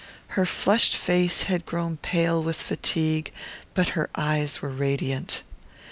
Her flushed face had grown pale with fatigue, but her eyes were radiant.